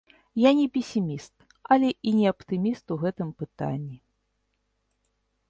Я не песіміст, але і не аптыміст у гэтым пытанні.